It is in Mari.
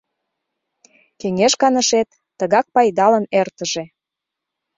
Кеҥеж канышет тыгак пайдалын эртыже!